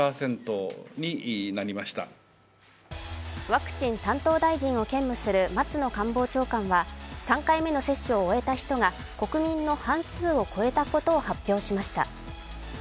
ワクチン担当大臣を兼務する松野官房長官は３回目の接種を終えた人が国民の半数を超えたことを発表しました。